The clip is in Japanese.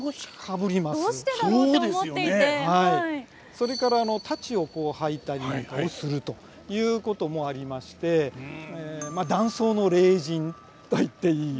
それから太刀をはいたりもするということもありましてまあ男装の麗人といっていい。